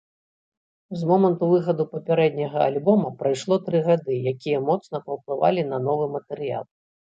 З моманту выхаду папярэдняга, альбома прайшло тры гады, якія моцна паўплывалі на новы матэрыял.